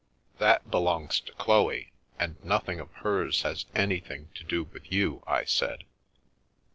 " That belongs to Chloe, and nothing of hers has any thing to do with you," I said.